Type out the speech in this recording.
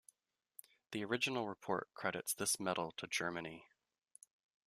The original report credits this medal to Germany.